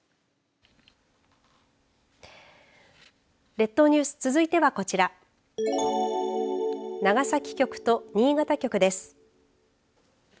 列島ニュース続いてはこちら長崎局と新潟局です。